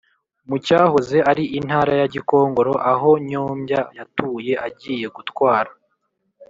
mu cyahoze ari Intara ya Gikongoro aho Nyombya yatuye agiye gutwara.